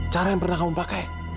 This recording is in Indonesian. cara yang pernah kamu pakai